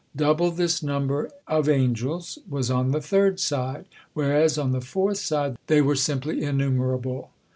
Double this number of angels was on the third side, whereas on the fourth side they were simply innumerable.